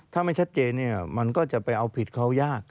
ถ้าไม่ชัดเจนมันก็จะไปเอาผิดเขายาก